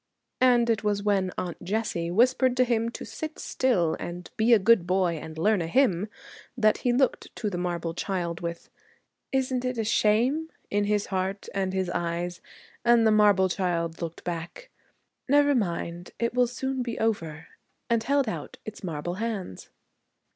And it was when Aunt Jessie whispered to him to sit still and be a good boy and learn a hymn, that he looked to the marble child with, 'Isn't it a shame?' in his heart and his eyes, and the marble child looked back, 'Never mind, it will soon be over,' and held out its marble hands.